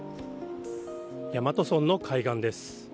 大和村の海岸です。